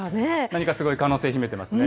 何かすごい可能性秘めてますね。